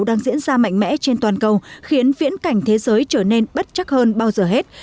đang diễn ra mạnh mẽ trên toàn cầu khiến viễn cảnh thế giới trở nên bất chắc hơn bao giờ hết